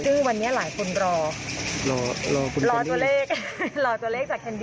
ซึ่งวันนี้หลายคนรอรอตัวเลขรอตัวเลขจากแคนดี้